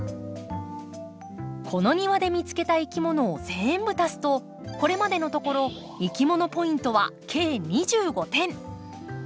この庭で見つけたいきものを全部足すとこれまでのところいきものポイントは計２５点！